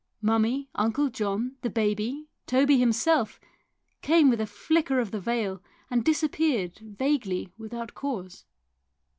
Mummie, Uncle John, the baby, Toby himself came with a flicker of the veil and disappeared vaguely without cause.